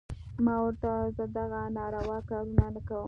ما ورته وويل زه دغه ناروا کارونه نه کوم.